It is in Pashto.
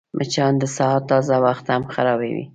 مچان د سهار تازه وخت هم خرابوي